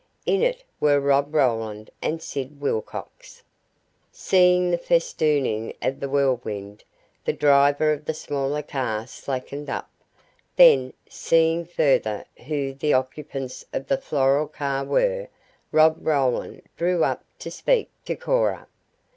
In it were Rob Roland and Sid Wilcox. Seeing the festooning of the Whirlwind, the driver of the smaller car slackened up, then, seeing further who the occupants of the floral car were, Rob Roland drew up to speak to Cora.